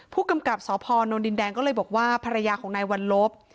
ผู้กำกับสพนดินแดงก็เลยบอกว่าภรรยาของนายวัลลบ